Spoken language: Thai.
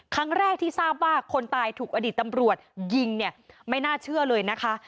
ครั้งแรกที่ทราบว่าคนตายถูกอดีตตำรวจยิงเนี่ยไม่น่าเชื่อเลยนะคะ